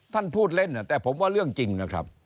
ท่านพูดเล่นแต่ผมว่าเรื่องจริงนะครับ